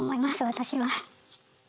私は。